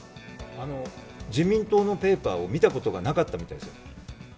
自民党のペーパーを見たことがなかったみたいですよ。